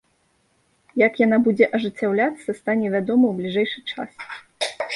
Як яна будзе ажыццяўляцца, стане вядома ў бліжэйшы час.